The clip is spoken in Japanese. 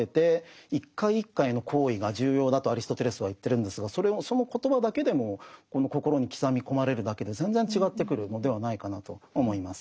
とアリストテレスは言ってるんですがその言葉だけでも心に刻み込まれるだけで全然違ってくるのではないかなと思います。